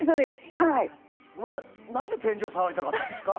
何で天井を触りたかったんですか？